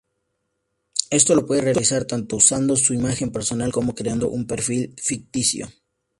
Esto lo puede realizar tanto usando su imagen personal como creando un perfil ficticio.